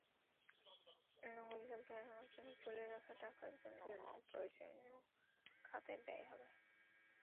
নইলে বেড়ানোর জন্য তুলে রাখা টাকা অন্য অপ্রয়োজনীয় খাতে ব্যয় হবে।